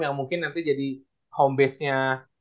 yang mungkin nanti jadi home base nya